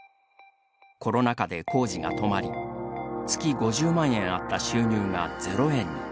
コロナ禍で工事が止まり月５０万円あった収入が０円に。